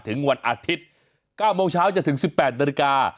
ถึงวันอาทิตย์๙โมงเช้าจนถึง๑๘นาฬิกา